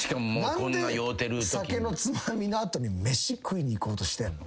何で『酒のツマミ』の後に飯食いに行こうとしてんの？